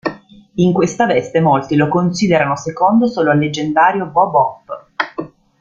In questa veste molti lo considerano secondo solo al leggendario Bob Hope.